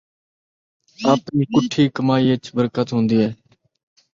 آپݨی کھٹی کمائی ءِچ برکت ہوندی ہے